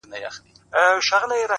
غنمرنگو کي سوالگري پيدا کيږي؛